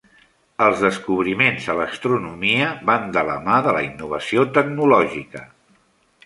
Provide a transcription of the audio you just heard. Els descobriments a l'astronomia van de la mà de la innovació tecnològica.